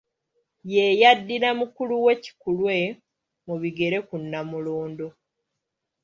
Ye yaddira mukulu we Kikulwe mu bigere ku Nnamulondo.